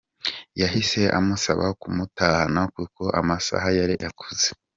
Yahise amusaba kumutahana kuko amasaha yari akuze.